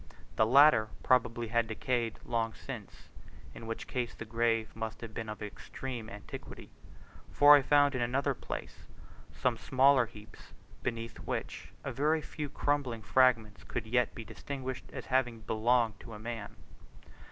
The latter probably had decayed long since (in which case the grave must have been of extreme antiquity), for I found in another place some smaller heaps beneath which a very few crumbling fragments could yet be distinguished as having belonged to a man.